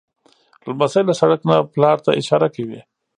لمسی له سړک نه پلار ته اشاره کوي.